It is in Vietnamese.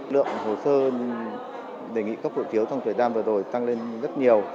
lượng hồ sơ đề nghị cấp hộ chiếu trong thời gian vừa rồi tăng lên rất nhiều